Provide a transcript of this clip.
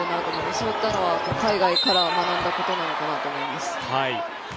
そういったものは海外から学んだことなのかなと思います。